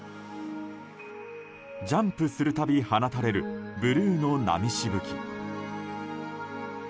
ジャンプするたび放たれるブルーの波しぶき。